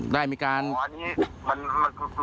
ได้มีการอ๋ออันนี้มันมันเป็นเรื่องส่วนตัวที่ไม่โอเคกันเลยครับ